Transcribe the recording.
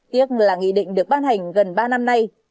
tiếc là nghị định được ban hành gần ba năm nay